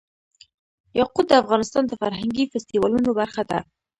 یاقوت د افغانستان د فرهنګي فستیوالونو برخه ده.